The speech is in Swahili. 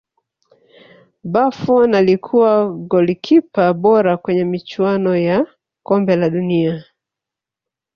buffon alikuwa golikipa bora kwenye michuano ya kombe la dunia